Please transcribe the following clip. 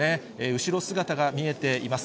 後ろ姿が見えています。